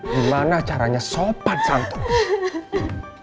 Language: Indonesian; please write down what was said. gimana caranya sopan santun